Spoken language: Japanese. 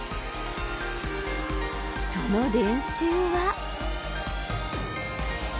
その練習は。